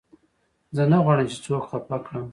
زه نه غواړم، چي څوک خفه کړم.